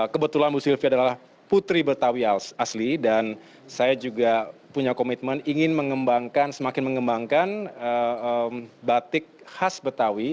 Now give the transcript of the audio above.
kebetulan bu sylvi adalah putri betawi asli dan saya juga punya komitmen ingin mengembangkan semakin mengembangkan batik khas betawi